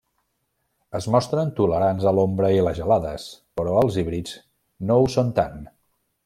Es mostren tolerants a l'ombra i les gelades però els híbrids no ho són tant.